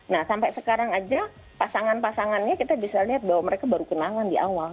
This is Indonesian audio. nah sampai sekarang aja pasangan pasangannya kita bisa lihat bahwa mereka baru kenangan di awal